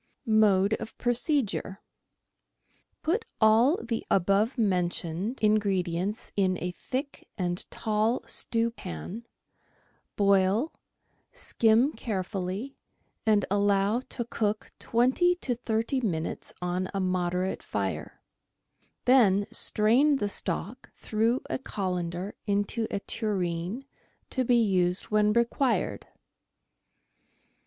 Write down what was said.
Mode of Procedure. — Put all the above mentioned in gredients in a thick and tall stewpan, boil, skim carefully, and allow to cook twenty to thirty minutes on a moderate fire ; then strain the stock through a colander into a tureen, to be used when required.